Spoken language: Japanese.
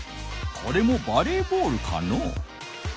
これもバレーボールかの？